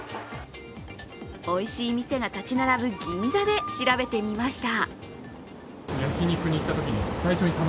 おいしい店が建ち並ぶ銀座で調べてみました。